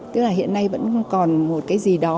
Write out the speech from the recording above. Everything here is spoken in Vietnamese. tức là hiện nay vẫn còn một cái gì đó